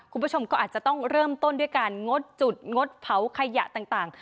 คุณผู้ชมก็อาจจะต้องเริ่มต้นด้วยการงดจุดงดเผาขยะต่าง